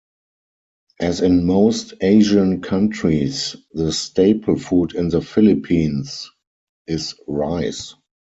As in most Asian countries, the staple food in the Philippines is rice.